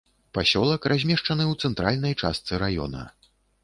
Пасёлак размешчаны ў цэнтральнай частцы раёна.